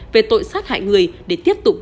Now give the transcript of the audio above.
về tội sát hại người để tiếp tục